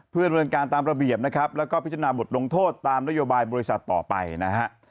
เพื่อดำเนินการตามระเบียบนะครับแล้วก็พิจารณาบทลงโทษตามนโยบายบริษัทต่อไปนะฮะ